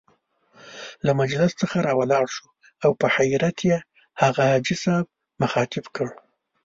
له مجلس څخه را ولاړ شو او په حيرت يې هغه حاجي مخاطب کړ.